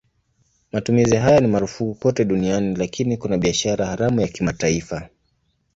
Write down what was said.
Matumizi haya ni marufuku kote duniani lakini kuna biashara haramu ya kimataifa.